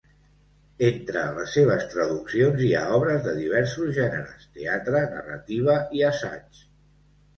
Entre les seves traduccions hi ha obres de diversos gèneres: teatre, narrativa i assaig.